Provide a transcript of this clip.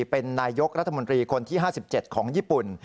เป็นนายยกรัฐมนตรีคนที่๕๗ของญี่ปุ่น